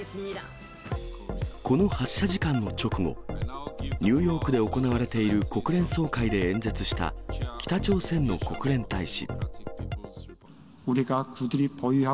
この発射時間の直後、ニューヨークで行われている国連総会で演説した北朝鮮の国連大使。